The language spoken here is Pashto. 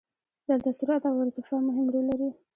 دلته سرعت او ارتفاع مهم رول لري.